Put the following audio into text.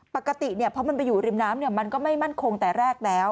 ปกติเพราะมันไปอยู่ริมน้ำมันก็ไม่มั่นคงแต่แรกแล้ว